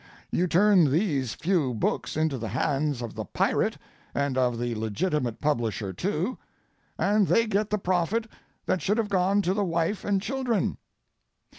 You turn these few books into the hands of the pirate and of the legitimate publisher, too, and they get the profit that should have gone to the wife and children.